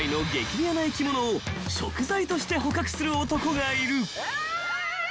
レアな生き物を食材として捕獲する男がいる］